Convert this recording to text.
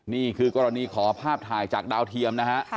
นี่คือกรณีขอภาพถ่ายจากดาวเทียมนะฮะ